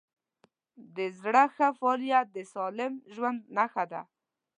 د زړه ښه فعالیت د سالم ژوند نښه ده.